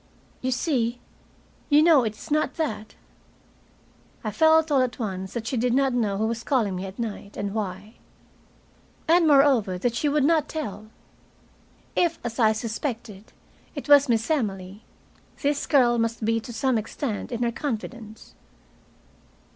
"You see, you know it is not that." I felt all at once that she did know who was calling me at night, and why. And, moreover, that she would not tell. If, as I suspected, it was Miss Emily, this girl must be to some extent in her confidence.